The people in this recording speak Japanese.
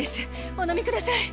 お飲みください。